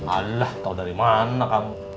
alah tau dari mana kamu